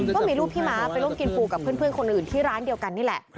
ก็มีลูกพี่ม้าไปร่วมกินปูกับเพื่อนคนอื่นที่ร้านเดียวกันนี่แหละ